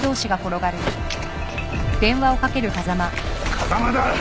風間だ！